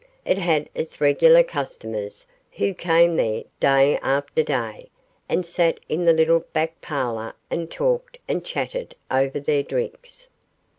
It had its regular customers, who came there day after day, and sat in the little back parlour and talked and chatted over their drinks.